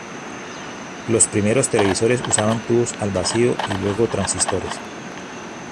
Los primeros televisores usaban tubos al vacío y luego transistores.